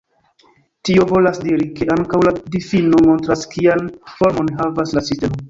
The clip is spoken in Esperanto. Tio volas diri, ke ankaŭ la difino montras kian formon havas la sistemo.